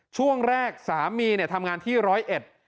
ช่วงแรกสามีเนี่ยทำงานที่ร้อยเอ็ด